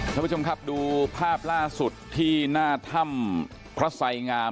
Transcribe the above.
ท่านผู้ชมครับดูภาพล่าสุดที่หน้าถ้ำพระไสงาม